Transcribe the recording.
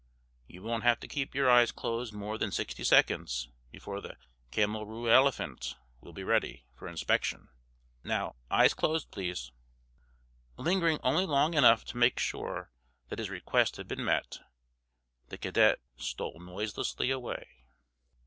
You won't have to keep your eyes closed more than sixty seconds before the camelroorelephant will be ready for inspection. Now, eyes closed, please." Lingering only long enough to make sure that his request had been met, the cadet stole noiselessly away.